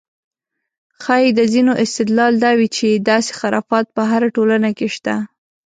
ښایي د ځینو استدلال دا وي چې داسې خرافات په هره ټولنه کې شته.